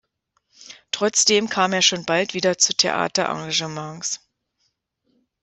Trotzdem kam er schon bald wieder zu Theater-Engagements.